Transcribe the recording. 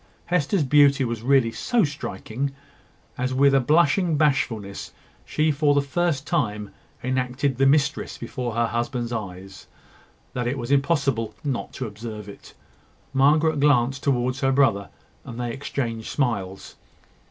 Hester's beauty was really so striking, as with a blushing bashfulness, she for the first time enacted the mistress before her husband's eyes, that it was impossible not to observe it. Margaret glanced towards her brother, and they exchanged smiles.